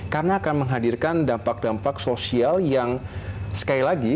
karena akan menghadirkan dampak dampak sosial yang sekali lagi